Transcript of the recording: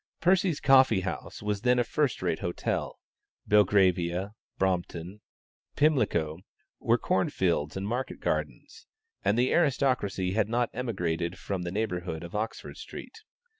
Percy's Coffee House was then a first rate hotel: Belgravia, Brompton, Pimlico, were corn fields and market gardens, and the aristocracy had not emigrated from the neighborhood of Oxford Street.